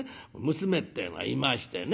娘ってえのがいましてね